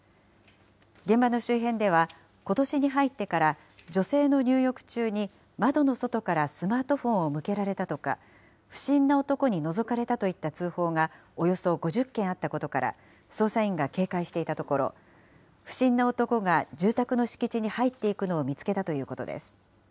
現場の周辺では、ことしに入ってから女性の入浴中に窓の外からスマートフォンを向けられたとか、不審な男にのぞかれたといった通報がおよそ５０件あったことから、捜査員が警戒していたところ、不審な男が住宅の敷地に入っていくのを見つけたということです。